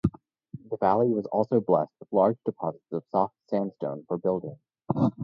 The valley was also blessed with large deposits of soft sandstone for building.